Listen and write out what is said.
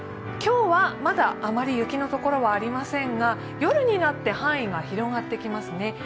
今日はまだあまり雪のところはありませんが、夜になって範囲が広がってきますね。